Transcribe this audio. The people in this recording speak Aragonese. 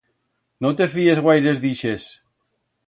No te fíes guaires d'ixes.